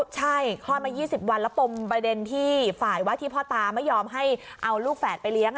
ใช่คลอดมา๒๐วันแล้วปมประเด็นที่ฝ่ายว่าที่พ่อตาไม่ยอมให้เอาลูกแฝดไปเลี้ยง